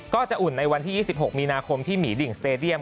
อุ่นในวันที่๒๖มีนาคมที่หมีดิ่งสเตดียม